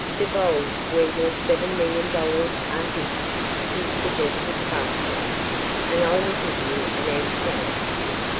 "Divulge where your seven million dollars are hidden," he suggested craftily, "and I will give you an antidote."